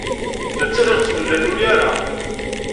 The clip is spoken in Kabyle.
Nettat ur tettemlelluy ara.